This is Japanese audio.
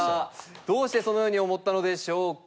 どうしてそのように思ったのでしょうか？